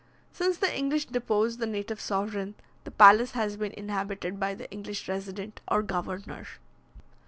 Since the English deposed the native sovereign, the palace has been inhabited by the English resident, or governor.